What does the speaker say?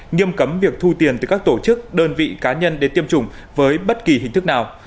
nghiêm cấm việc thu tiền từ các tổ chức đơn vị cá nhân đến tiêm chủng với bất kỳ hình thức nào